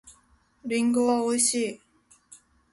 りんごは美味しい。